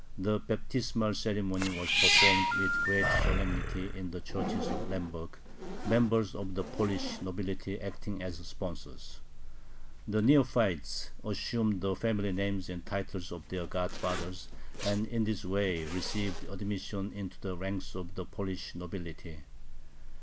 The baptismal ceremony was performed with great solemnity in the churches of Lemberg, members of the Polish nobility acting as sponsors. The neophytes assumed the family names and titles of their godfathers, and in this way received admission into the ranks of the Polish nobility.